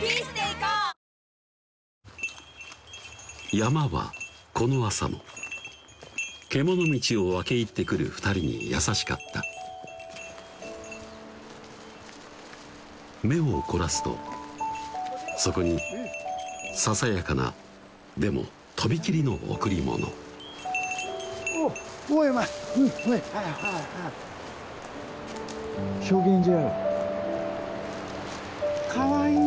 山はこの朝も獣道を分け入ってくる２人に優しかった目を凝らすとそこにささやかなでもとびきりの贈り物おっおいお前うん